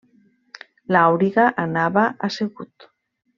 L'auriga anava assegut.